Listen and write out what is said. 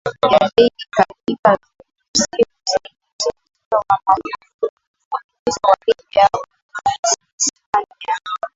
Ya ligi katika msimu sita wa mfululizo wa ligi ya Uhispania